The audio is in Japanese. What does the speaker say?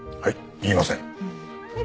言いません。